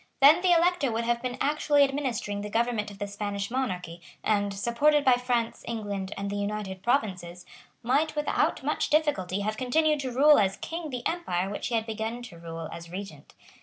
Then the Elector would have been actually administering the government of the Spanish monarchy, and, supported by France, England and the United Provinces, might without much difficulty have continued to rule as King the empire which he had begun to rule as Regent.